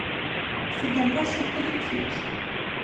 C'est un Poisson électrique.